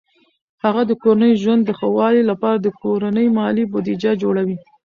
هغه د کورني ژوند د ښه والي لپاره د کورني مالي بودیجه جوړوي.